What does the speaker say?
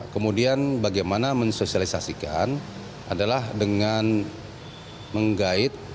kemudian bagaimana mensosialisasikan adalah dengan menggait